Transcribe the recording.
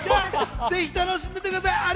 ぜひ楽しんで行ってください。